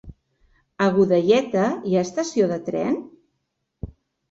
A Godelleta hi ha estació de tren?